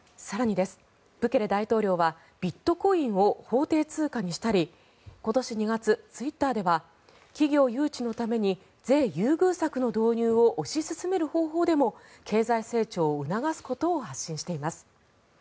更に、ブケレ大統領はビットコインを法定通貨にしたり今年２月、ツイッターでは企業誘致のために税優遇策の導入を推し進める方法でも経済成長を促すことを発信しています。